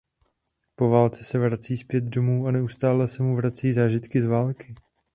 Po válce se vrací zpět domů a neustále se mu vracejí zážitky z války.